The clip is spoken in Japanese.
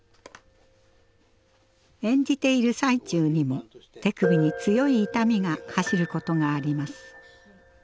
演じている最中にも手首に強い痛みが走ることがあります。